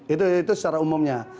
itu secara umumnya